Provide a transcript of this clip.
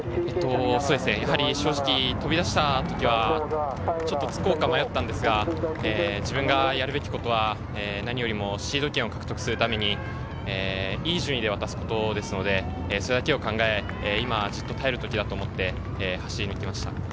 正直、飛び出した時はつこうか迷ったんですが、自分がやるべきことは、何よりもシード権を獲得するためにいい順位で渡すことなので、それだけを考え、じっと耐える時だと思って走り抜きました。